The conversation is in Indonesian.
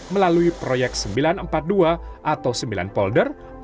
melalui proyek sembilan ratus empat puluh dua atau sembilan polder